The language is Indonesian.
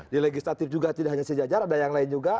di legislatif juga tidak hanya sejajar ada yang lain juga